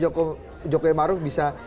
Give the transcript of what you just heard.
jokowi maruf bisa mungkin melewati gelar ini